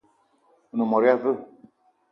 One mot ya veu?